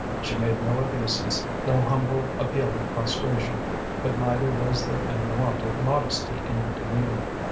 She made no obeisance, no humble, appealing prostration, but neither was there any want of modesty in her demeanor.